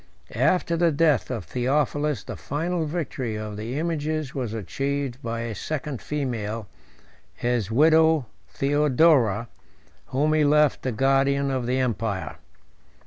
After the death of Theophilus, the final victory of the images was achieved by a second female, his widow Theodora, whom he left the guardian of the empire.